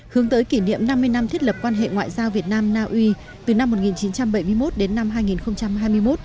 hướng tới kỷ niệm năm mươi năm thiết lập quan hệ ngoại giao việt nam na uy từ năm một nghìn chín trăm bảy mươi một đến năm hai nghìn hai mươi một